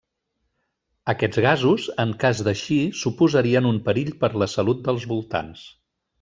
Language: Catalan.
Aquests gasos en cas d'eixir suposarien un perill per a la salut dels voltants.